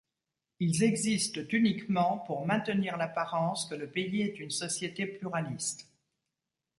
Ils existent uniquement pour maintenir l’apparence que le pays est une société pluraliste.